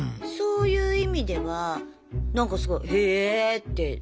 そういう意味ではなんかすごいへえって。